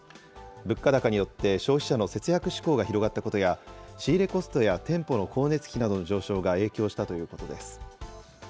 物価高によって消費者の節約志向が広がったことや、仕入れコストや店舗の光熱費などの上昇が影響したということです。